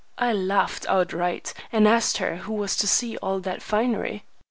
I laughed outright, and asked her who was to see all that finery.